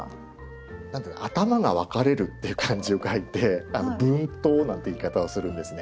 「頭が分かれる」っていう漢字を書いて「分頭」なんて言い方をするんですね。